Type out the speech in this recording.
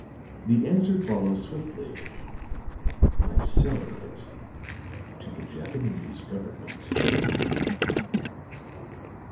The answer follows swiftly: by selling it to the Japanese government."